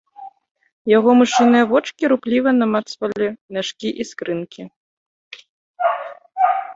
Яго мышыныя вочкі рупліва намацвалі мяшкі і скрынкі.